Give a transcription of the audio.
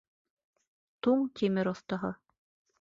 Туң тимер оҫтаһы.